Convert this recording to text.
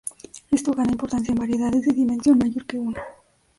Esto gana importancia en variedades de dimensión mayor que uno.